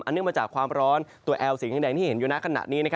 เนื่องมาจากความร้อนตัวแอลสีแดงที่เห็นอยู่ในขณะนี้